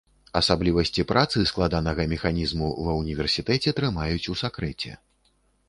Асаблівасці працы складанага механізму ва ўніверсітэце трымаюць у сакрэце.